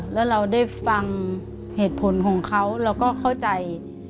แล้วเราได้ฟังเหตุผลของเขาเราก็เข้าใจ